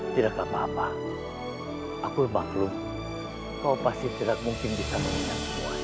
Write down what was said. tidak apa apa aku banglung kau pasti tidak mungkin bisa mengingat semua ini